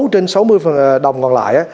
trên sáu mươi đồng còn lại